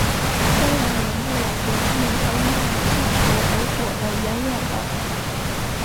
芬兰人为了躲避纳伊娜的追求而躲得远远的。